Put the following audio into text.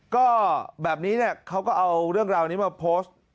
ก็แบบนี้เขาก็เอาเรื่องราวนี้มาโพสต์